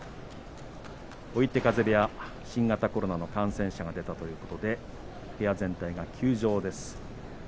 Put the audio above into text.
追手風部屋新型コロナの感染者が出たということで部屋全体が休場です。